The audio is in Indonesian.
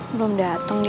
belom dateng dia